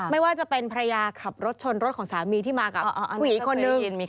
ไม่ว่าจะเป็นภรรยาขับรถชนรถของสามีที่มากับผู้หญิงอีกคนนึง